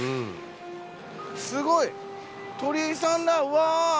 すごい！鳥居さんだうわ。